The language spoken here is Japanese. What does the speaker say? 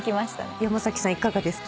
山さんいかがですか？